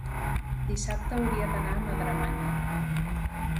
dissabte hauria d'anar a Madremanya.